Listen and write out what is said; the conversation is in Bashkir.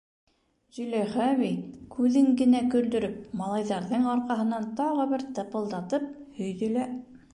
Зөләйха әбей, күҙен генә көлдөрөп, малайҙарҙың арҡаһынан тағы бер тыпылдатып һөйҙө лә: